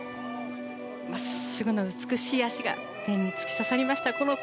真っすぐな美しい脚が天に突き刺さりました。